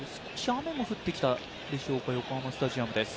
雨も降ってきたでしょうか横浜スタジアムです。